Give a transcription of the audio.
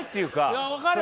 いや分かる。